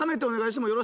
お願いします。